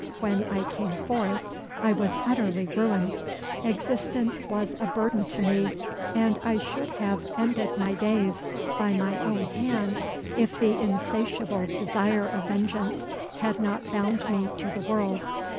When I came forth I was utterly ruined. Existence was a burden to me, and I should have ended my days by my own hand, if the insatiable desire of vengeance had not bound me to the world.